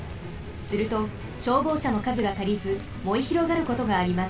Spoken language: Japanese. すると消防車のかずがたりずもえひろがることがあります。